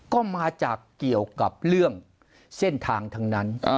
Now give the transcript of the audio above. ก็มาจากเกี่ยวกับเรื่องเส้นทางทั้งนั้น